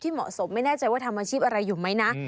เหมาะสมไม่แน่ใจว่าทำอาชีพอะไรอยู่ไหมนะ